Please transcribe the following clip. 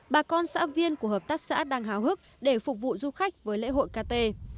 bà con xã viên của hợp tác xã đang hào hức để phục vụ du khách với lễ hội kt